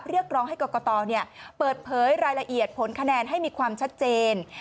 เรียกร้องให้กรกตเปิดเผยรายละเอียดผลคะแนนให้มีความชัดเจน